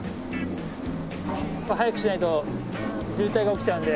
早くしないと渋滞が起きちゃうので。